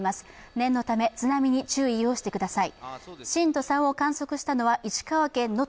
念のため津波に注意してください。